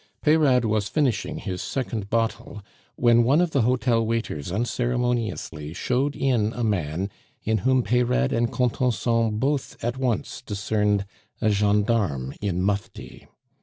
Peyrade was finishing his second bottle when one of the hotel waiters unceremoniously showed in a man in whom Peyrade and Contenson both at once discerned a gendarme in mufti.